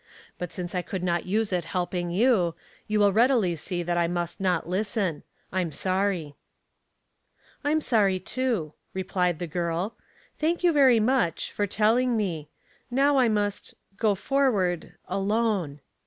But since I could not use it helping you, you will readily see that I must not listen. I'm sorry." "I'm sorry, too," replied the girl. "Thank you very much for telling me. Now I must go forward alone."